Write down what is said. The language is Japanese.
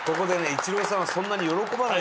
イチローさんはそんなに喜ばないんだよ